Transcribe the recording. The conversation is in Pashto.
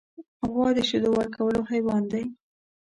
غوا د شیدو ورکولو حیوان دی.